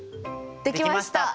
できました！